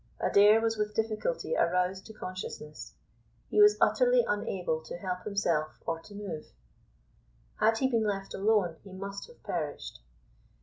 Adair was with difficulty aroused to consciousness. He was utterly unable to help himself or to move. Had he been left alone he must have perished.